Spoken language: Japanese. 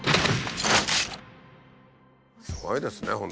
すごいですね